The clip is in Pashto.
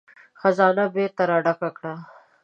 خزانه بېرته را ډکه کړه.